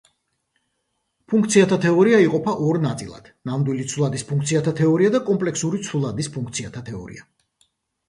ფუნქციათა თეორია იყოფა ორ ნაწილად: ნამდვილი ცვლადის ფუნქციათა თეორია და კომპლექსური ცვლადის ფუნქციათა თეორია.